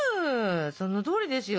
そのとおりですよ！